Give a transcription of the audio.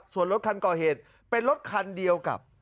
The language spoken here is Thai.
ส่วนรถคันก่อเหตุเป็นรถคันเดียวกับ